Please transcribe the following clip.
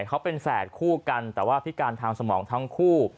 เขาเป็นแฝดคู่กันแต่ว่าพิการทางสมองทั้งคู่